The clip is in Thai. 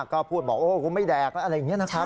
ก็พูดบอกโอ้กูไม่แดกแล้วอะไรอย่างนี้นะครับ